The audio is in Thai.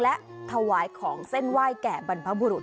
และถวายของเส้นไหว้แก่บรรพบุรุษ